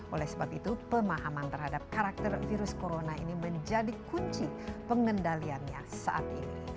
oleh sebab itu pemahaman terhadap karakter virus corona ini menjadi kunci pengendaliannya saat ini